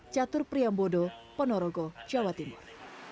catur priambodo ponorogo jawa timur